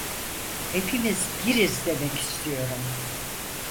Hepimiz biriz demek istiyorum.